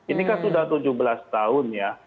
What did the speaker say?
ini kan sudah tujuh belas tahun ya